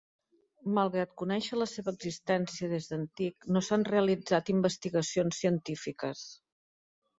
Malgrat conèixer la seva existència des d'antic, no s'han realitzat investigacions científiques.